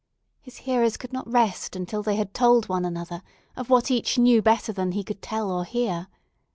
His hearers could not rest until they had told one another of what each knew better than he could tell or hear.